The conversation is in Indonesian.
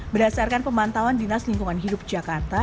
berdasarkan pemantauan dinas lingkungan hidup jakarta